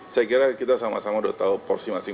saya kira kita sama sama sudah tahu porsi masing masing